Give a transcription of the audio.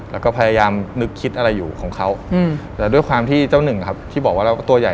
แล้วก็พยายามนึกคิดอะไรอยู่ของเขาแต่ด้วยความที่เจ้าหนึ่งนะครับที่บอกว่าเราก็ตัวใหญ่